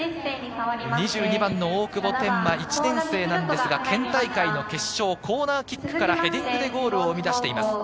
２２番の大久保天満、１年生なんですが県大会の決勝、コーナーキックからヘディングでゴールを生み出しています。